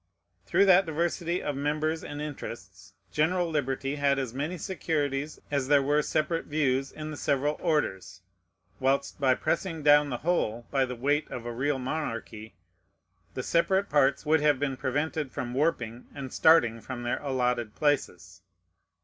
Through that diversity of members and interests, general liberty had as many securities as there were separate views in the several orders; whilst by pressing down the whole by the weight of a real monarchy, the separate parts would have been prevented from warping and starting from their allotted places.